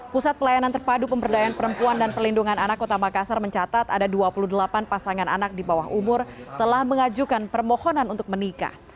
pusat pelayanan terpadu pemberdayaan perempuan dan perlindungan anak kota makassar mencatat ada dua puluh delapan pasangan anak di bawah umur telah mengajukan permohonan untuk menikah